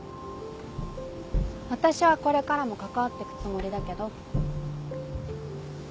私はこれからも関わってくつもりだけど